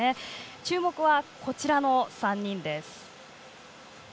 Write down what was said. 注目はこちらの３人です。